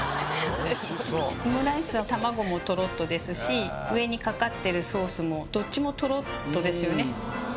オムライスは卵もトロッとですし上にかかってるソースもどっちもトロッとですよね。